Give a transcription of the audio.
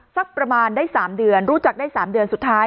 สักประมาณได้๓เดือนรู้จักได้๓เดือนสุดท้าย